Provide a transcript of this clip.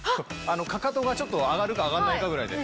かかとがちょっと上がるか上がらないかぐらいで。